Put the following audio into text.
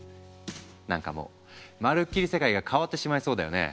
何かもうまるっきり世界が変わってしまいそうだよね。